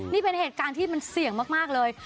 นี่เป็นเหตุการณ์ที่มันเสี่ยงมากเลย